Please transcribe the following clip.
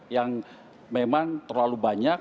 yang memang terlalu banyak